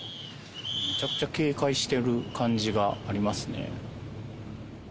むちゃくちゃ警戒してる感じがありますね。